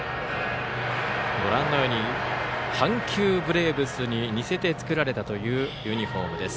ご覧のように阪急ブレーブスに似せて作られたというユニフォームです